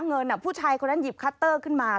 เงินผู้ชายคนนั้นหยิบคัตเตอร์ขึ้นมา